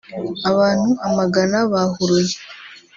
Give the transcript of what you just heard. Abantu amagana bahuruye